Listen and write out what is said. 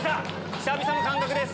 久々の感覚です！